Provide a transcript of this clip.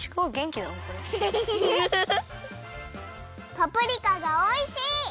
パプリカがおいしい！